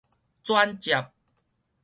轉接